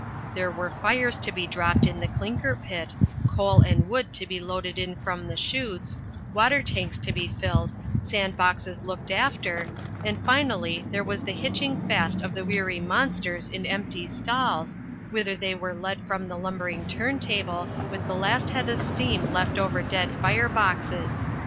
There were fires to be dropped in the clinker pit, coal and wood to be loaded in from the chutes, water tanks to be filled, sand boxes looked after, and, finally, there was the hitching fast of the weary monsters in empty stalls, whither they were led from the lumbering turn table with the last head of steam left over dead fire boxes.